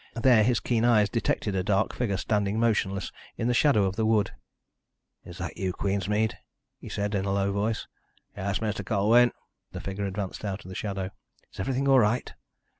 There his keen eyes detected a dark figure standing motionless in the shadow of the wood. "Is that you, Queensmead?" he said, in a low voice. "Yes, Mr. Colwyn." The figure advanced out of the shadow. "Is everything all right?"